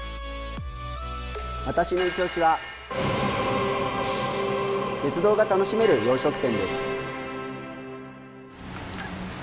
わたしのいちオシは鉄道が楽しめる洋食店です